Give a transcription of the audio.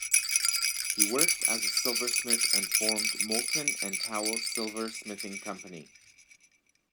He worked as a silversmith and formed "Moulton and Towle Silversmithing Company".